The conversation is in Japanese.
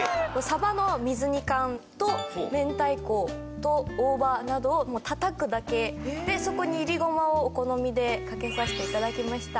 さばの水煮缶と明太子と大葉などを叩くだけでそこにいりごまをお好みでかけさせて頂きました。